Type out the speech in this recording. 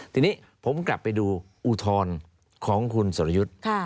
ทีนี้ผมกลับไปดูอุทธรณ์ของคุณสรยุทธ์